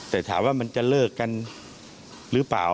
แต่ถามว่ามันจะเลิกกันหรือเปล่า